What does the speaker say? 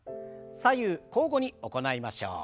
左右交互に行いましょう。